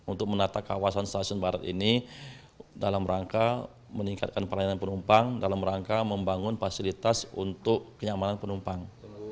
untuk menata kawasan stasiun barat ini dalam rangka meningkatkan pelayanan penumpang dalam rangka membangun fasilitas untuk kenyamanan penumpang